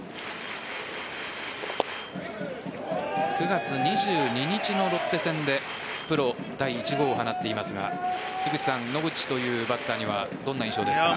９月２２日のロッテ戦でプロ第１号を放っていますが野口というバッターにはどんな印象ですか？